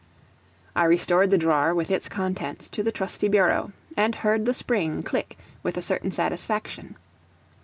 I restored the drawer, with its contents, to the trusty bureau, and heard the spring click with a certain satisfaction.